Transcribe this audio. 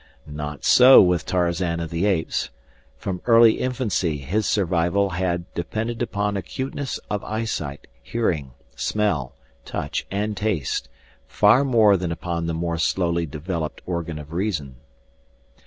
Not so with Tarzan of the Apes. From early infancy his survival had depended upon acuteness of eyesight, hearing, smell, touch, and taste far more than upon the more slowly developed organ of reason.